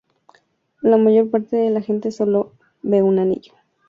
La mayor parte de la gente sólo ve un anillo.